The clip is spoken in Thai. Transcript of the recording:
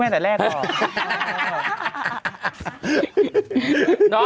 แม่แต่แรกก็ออก